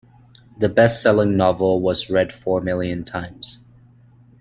The bestselling novel was read four million times.